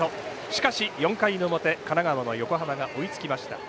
しかし４回表、神奈川の横浜が追いつきました。